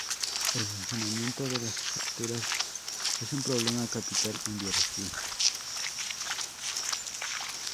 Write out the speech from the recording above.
El funcionamiento de las estructuras es un problema capital en biología.